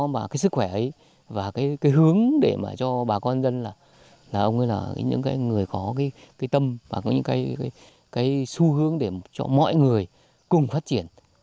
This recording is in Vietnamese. và sức khỏe ấy và hướng để cho bà con dân là những người có tâm và su hướng để cho mọi người cùng phát triển